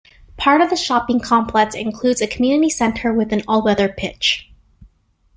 Part of the shopping complex includes a community centre with an all-weather pitch.